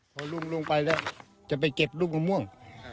พอลุงลงไปแล้วจะไปเก็บลูกมะม่วง